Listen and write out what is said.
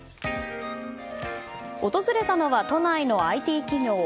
訪れたのは都内のＩＴ企業。